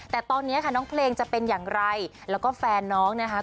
แต่ตอนนี้ค่ะน้องเพลงจะเป็นอย่างไรแล้วก็แฟนน้องนะคะ